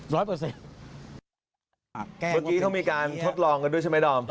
ตอนนี้เขามีการทดลองกันด้วยใช่ไหมอ่อน